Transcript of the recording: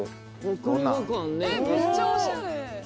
めっちゃおしゃれ。